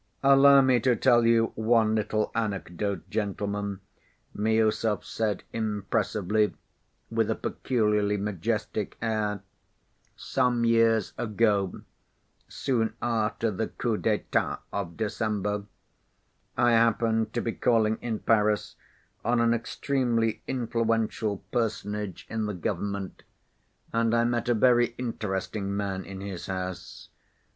"Allow me to tell you one little anecdote, gentlemen," Miüsov said impressively, with a peculiarly majestic air. "Some years ago, soon after the coup d'état of December, I happened to be calling in Paris on an extremely influential personage in the Government, and I met a very interesting man in his house.